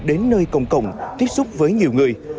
đến nơi cộng cộng tiếp xúc với nhiều người